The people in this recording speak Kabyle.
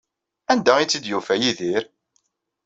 Anda ay tt-id-yufa Yidir?